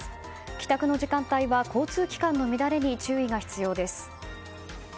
帰宅の時間帯は交通機関の乱れに注意が必要です。